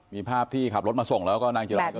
มีภาพที่ขับรถมาส่งแล้วก็นางจิรัยกันลงไป